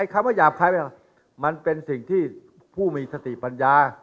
คำว่าหยาบคลายมันเป็นสิ่งที่ผู้มีสติปัญญา